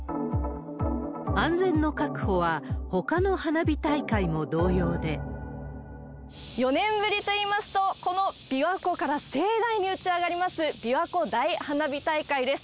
安全の確保は、４年ぶりといいますと、この琵琶湖から盛大に打ち上がりますびわ湖大花火大会です。